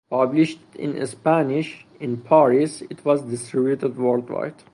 Published in Spanish in Paris, it was distributed worldwide.